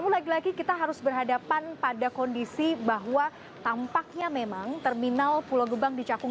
lagi lagi kita harus berhadapan pada kondisi bahwa tampaknya memang terminal pulau gebang di cakung